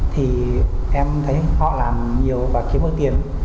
thì em thấy họ làm nhiều và kiếm được tiền